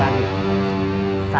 saya kurang jelas barusan